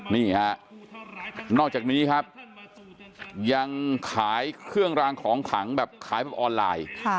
นี่ฮะนอกจากนี้ครับยังขายเครื่องรางของขลังแบบขายแบบออนไลน์